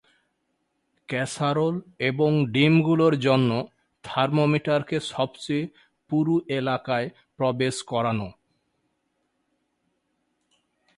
Casserole এবং ডিমগুলোর জন্য থার্মোমিটারকে সবচেয়ে পুরু এলাকায় প্রবেশ করান।